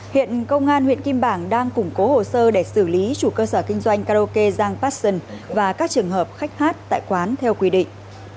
hiện công an huyện kim bảng đang củng cố hồ sơ để xử lý chủ cơ sở kinh doanh karaoke giang passion và các trường hợp khách hát tại quán theo quy định